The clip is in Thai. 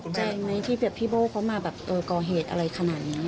ตกใจไหมที่เผื่อพี่โบ้เขามาก่อเหตุอะไรขนาดนี้